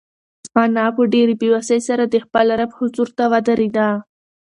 انا په ډېرې بېوسۍ سره د خپل رب حضور ته ودرېده.